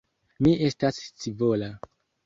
Mi estas scivola.